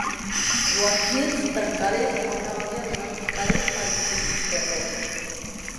Guatlles tancades a una gàbia donant picades als filferros